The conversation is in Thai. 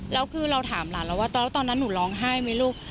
แล้วคือเราถามหลานเราว่าตอนนั้นหนูร้องไห้ไหมลูก